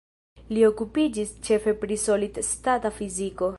Li okupiĝas ĉefe pri solid-stata fiziko.